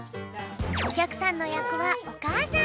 おきゃくさんのやくはおかあさん。